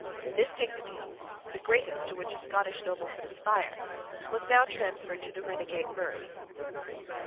This dignity, the greatest to which a Scottish noble could aspire, was now transferred to the renegade Murray.